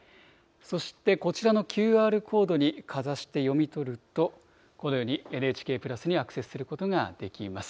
そしてこちらのＱＲコードにかざして読み取ると、このようにＮＨＫプラスにアクセスすることができます。